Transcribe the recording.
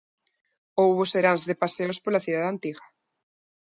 Houbo seráns de paseos pola cidade antiga.